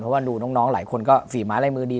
เพราะว่าดูน้องหลายคนก็ฝีไม้ลายมือดี